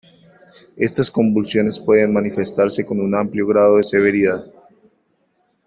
Estas convulsiones pueden manifestarse con un amplio grado de severidad.